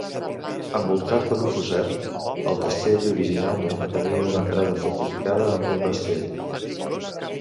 Envoltat per un fossat, el castell originàriament tenia una entrada fortificada amb un rastell.